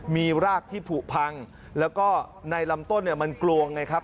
มีรากที่ผูกพังแล้วก็ในลำต้นเนี่ยมันกลวงไงครับ